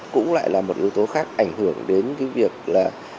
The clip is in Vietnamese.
cũng lại là một yếu tố khác ảnh hưởng đến cái việc là